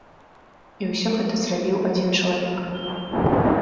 І ўсё гэта зрабіў адзін чалавек.